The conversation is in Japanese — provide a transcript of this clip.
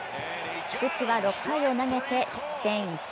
菊池は６回を投げて失点１。